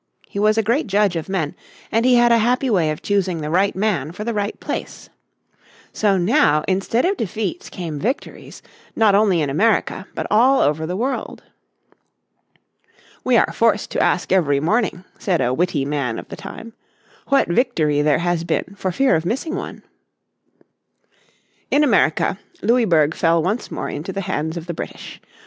He was a great judge of men, and he had a happy way of choosing the right man for the right place. So now instead of defeats came victories, not only in America, but all over the world. "We are forced to ask every morning," said a witty man of the time, "what victory there has been for fear of missing one." In America Louisburg fell once more into the hands of the British.